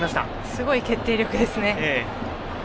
すごい決定力ですね。